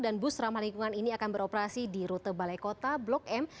dan bus ramah lingkungan ini akan beroperasi di rute balai kota blok m